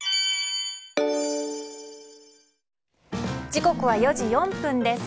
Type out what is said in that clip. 時刻は４時４分です。